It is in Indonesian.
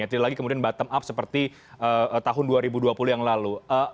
tidak lagi kemudian bottom up seperti tahun dua ribu dua puluh yang lalu